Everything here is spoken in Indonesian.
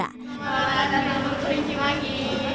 dan ada makanan kelinci lagi